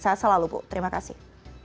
saya salah lubu terima kasih